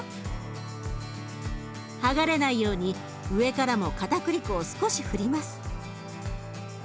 剥がれないように上からもかたくり粉を少し振ります。